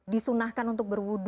disunahkan untuk mandi besar